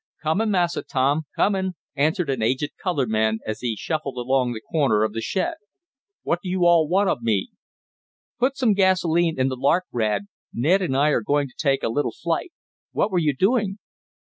"Comin', massa Tom, comin'," answered an aged colored man, as he shuffled around the corner of the shed. "What do yo' all want ob me?" "Put some gasolene in the Lark, Rad. Ned and I are going to take a little flight. What were you doing?"